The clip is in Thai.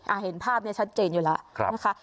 อ่าเห็นภาพเนี่ยชัดเจนอยู่แล้วครับ